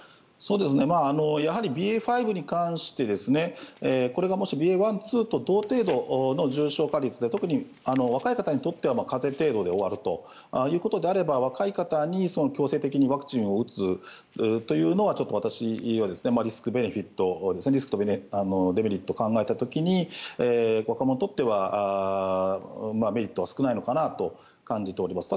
やはりＢＡ．５に関してこれがもしＢＡ．１、２と同程度の重症化率で特に若い方にとっては風邪程度で終わるということであれば若い方に強制的にワクチンを打つというのはちょっと私にはリスクとデメリットを考えた時に、若者にとってはメリットは少ないのかなと感じています。